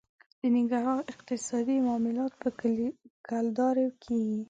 د ننګرهار اقتصادي معاملات په کلدارې کېږي.